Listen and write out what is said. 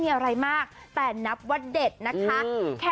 เดี๋ยวคุณผู้ชมจะดูรูป